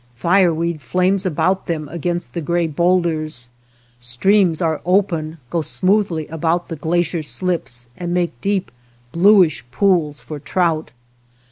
Fireweed flames about them against the gray boulders; streams are open, go smoothly about the glacier slips and make deep bluish pools for trout.